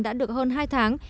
đã được hơn hai tháng